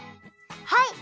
はい！